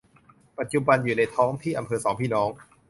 ปัจจุบันอยู่ในท้องที่อำเภอสองพี่น้อง